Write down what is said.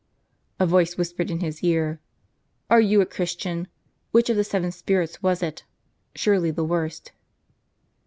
A voice whispered in his ear, "Are you a Christian?" Which of the seven spirits was it ? surely the worst.